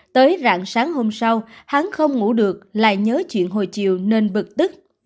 tới rạng sáng hôm sau hắn không ngủ được lại nhớ chuyện hồi chiều nên bực tức